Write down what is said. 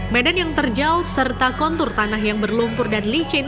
medan yang terjal serta kontur tanah yang berlumpur dan licin